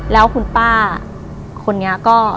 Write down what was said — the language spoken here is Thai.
แล้วคุณป้าคนนี้ก็